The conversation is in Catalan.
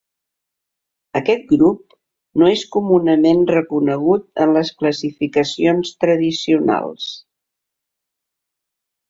Aquest grup no és comunament reconegut en les classificacions tradicionals.